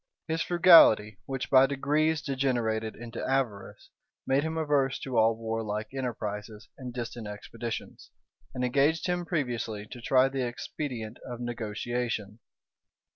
His frugality, which by degrees degenerated into avarice, made him averse to all warlike enterprises and distant expeditions, and engaged him previously to try the expedient of negotiation.